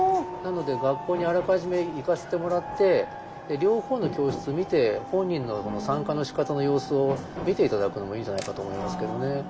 なので学校にあらかじめ行かせてもらって両方の教室見て本人の参加のしかたの様子を見て頂くのもいいんじゃないかと思いますけどね。